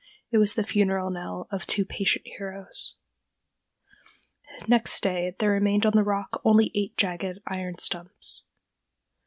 It was the funeral knell of two patient heroes. Next day there remained on the rock only eight jagged iron stumps.